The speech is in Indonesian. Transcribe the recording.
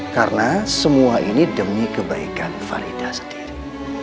karena semua ini demi kebaikan farida sendiri